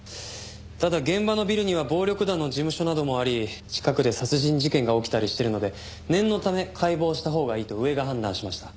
ただ現場のビルには暴力団の事務所などもあり近くで殺人事件が起きたりしてるので念のため解剖したほうがいいと上が判断しました。